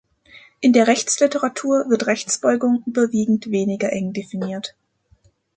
In der Rechtsliteratur wird Rechtsbeugung überwiegend weniger eng definiert.